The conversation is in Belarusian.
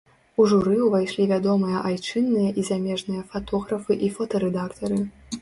У журы ўвайшлі вядомыя айчынныя і замежныя фатографы і фотарэдактары.